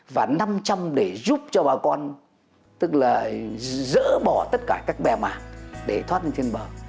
xong để giúp cho bà con tức là dỡ bỏ tất cả các bè mặt để thoát lên trên bờ